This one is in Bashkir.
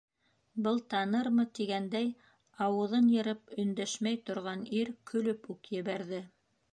Был танырмы, тигәндәй, ауыҙын йырып өндәшмәй торған ир көлөп үк ебәрҙе: